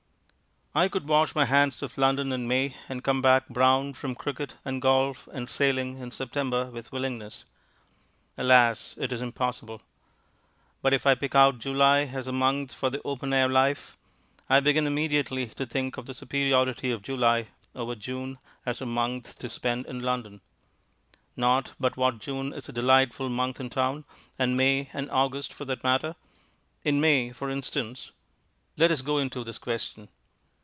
I would wash my hands of London in May and come back brown from cricket and golf and sailing in September with willingness. Alas I it is impossible. But if I pick out July as the month for the open air life, I begin immediately to think of the superiority of July over June as a month to spend in London. Not but what June is a delightful month in town, and May and August for that matter. In May, for instance Let us go into this question.